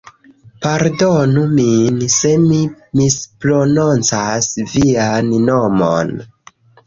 Pardonu min se mi misprononcas vian nomon.